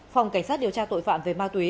phòng cảnh sát điều tra tội phạm về ma túy